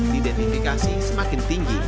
didentifikasi semakin tinggi